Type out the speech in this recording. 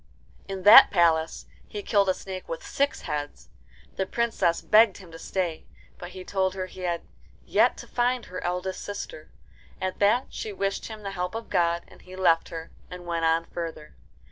In that palace he killed a snake with six heads. The Princess begged him to stay; but he told her he had yet to find her eldest sister. At that she wished him the help of God, and he left her, and went on further.